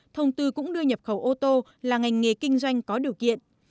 thông tư cũng đưa nhập khẩu ô tô là ngành nghề kinh doanh có điều kiện